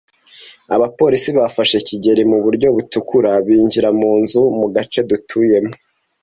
Abapolisi bafashe kigeli mu buryo butukura, binjira mu nzu mu gace dutuyemo.